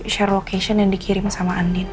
share location yang dikirim sama andin